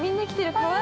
かわいい。